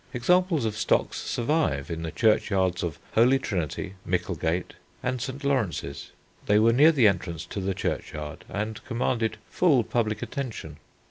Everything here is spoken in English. Examples of stocks survive in the churchyards of Holy Trinity, Micklegate, and St. Lawrence's. They were near the entrance to the churchyard and commanded full public attention.